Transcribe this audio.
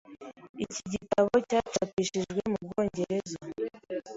Iki gitabo cyacapishijwe mu Bwongereza.